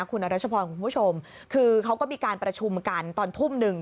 คุณอรัชพรคุณผู้ชมคือเขาก็มีการประชุมกันตอนทุ่มหนึ่ง